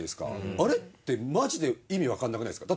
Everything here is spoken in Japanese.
あれってマジで意味わからなくないですか？